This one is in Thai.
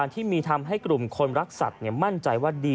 และถือเป็นเคสแรกที่ผู้หญิงและมีการทารุณกรรมสัตว์อย่างโหดเยี่ยมด้วยความชำนาญนะครับ